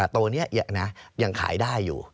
ตัวนี้ยังขายได้อยู่